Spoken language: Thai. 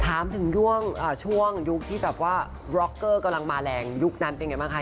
ถามถึงช่วงยุคที่แบบว่าร็อกเกอร์กำลังมาแรงยุคนั้นเป็นไงบ้างคะ